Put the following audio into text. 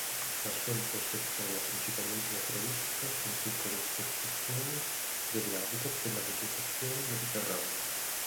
La sua impostazione è principalmente naturalistica, con piccole ricostruzioni degli habitat della vegetazione mediterranea.